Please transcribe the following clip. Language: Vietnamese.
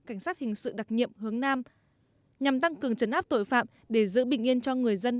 cảnh sát hình sự đặc nhiệm hướng nam nhằm tăng cường chấn áp tội phạm để giữ bình yên cho người dân